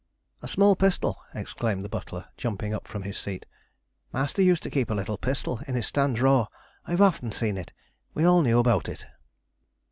"A small pistol!" exclaimed the butler, jumping up from his seat. "Master used to keep a little pistol in his stand drawer. I have often seen it. We all knew about it."